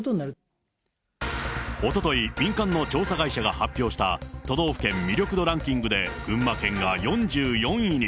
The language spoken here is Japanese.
おととい、民間の調査会社が発表した都道府県魅力度ランキングで、群馬県が４４位に。